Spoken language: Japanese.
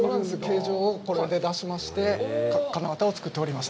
形状をこれで出しまして金型を作っておりました。